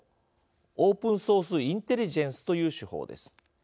オープンソースインテリジェンスという手法です。